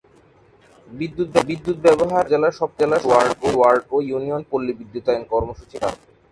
বিদ্যুৎ ব্যবহার এ উপজেলার সবক’টি ওয়ার্ড ও ইউনিয়ন পল্লিবিদ্যুতায়ন কর্মসূচির আওতাধীন।